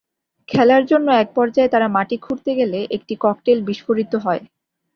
খেলার জন্য একপর্যায়ে তারা মাটি খুঁড়তে গেলে একটি ককটেল বিস্ফোরিত হয়।